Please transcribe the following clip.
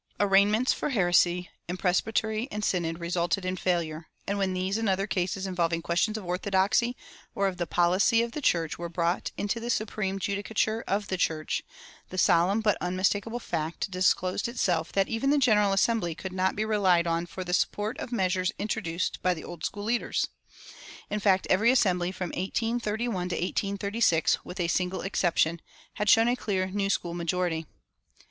Arraignments for heresy in presbytery and synod resulted in failure; and when these and other cases involving questions of orthodoxy or of the policy of the church were brought into the supreme judicature of the church, the solemn but unmistakable fact disclosed itself that even the General Assembly could not be relied on for the support of measures introduced by the Old School leaders. In fact, every Assembly from 1831 to 1836, with a single exception, had shown a clear New School majority.